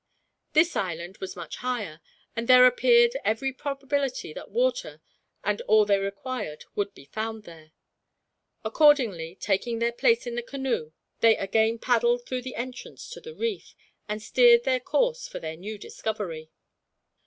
This island was much higher, and there appeared every probability that water, and all they required, would be found there. Accordingly, taking their place in the canoe, they again paddled out through the entrance to the reef, and steered their course for their new discovery.